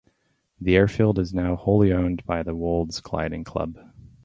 The airfield is now wholly owned by the Wolds Gliding Club.